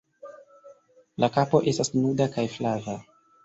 La kapo estas nuda kaj flava.